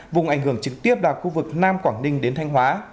vùng ảnh hưởng trực tiếp là khu vực nam quảng ninh đến thanh hóa